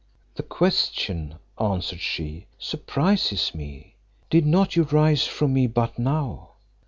"The question," answered she, "surprises me. Did not you rise from me but now?